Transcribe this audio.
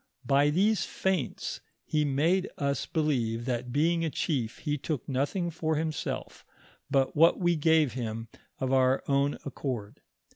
By these feints he made us believe that being a chief, he took nothing for himself, but what we gave him of our own accord.